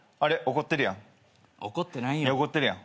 怒ってるやん。